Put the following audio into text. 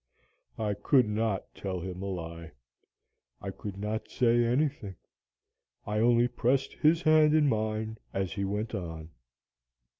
"I could not tell him a lie. I could not say anything. I only pressed his hand in mine, as he went on.